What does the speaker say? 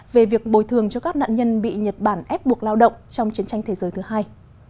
về việc bồi thường cho các nạn nhân bị nhật bản ép buộc lao động trong chiến tranh thế giới thứ hai